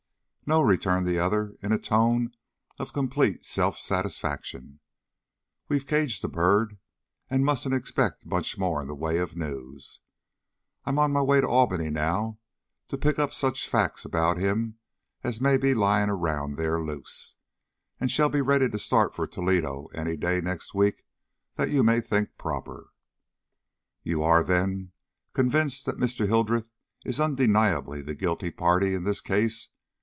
"No," returned the other, in a tone of complete self satisfaction. "We've caged the bird and mustn't expect much more in the way of news. I'm on my way to Albany now, to pick up such facts about him as may be lying around there loose, and shall be ready to start for Toledo any day next week that you may think proper." "You are, then, convinced that Mr. Hildreth is undeniably the guilty party in this case?"